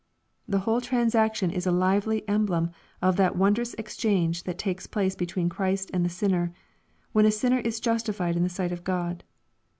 The whole transaction is a lively emblemof that wondrous exchange that takes place between Christ and the sinner, when a sinner is justified in the sight of God.